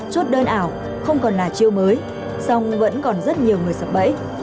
chốt đơn ảo không còn là chiêu mới song vẫn còn rất nhiều người sập bẫy